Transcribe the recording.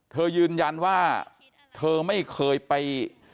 เธอยืนยันว่าเธอไม่เคยไป